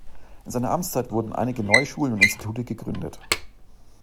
In seiner Amtszeit wurden einige neue Schulen und Institute gegründet.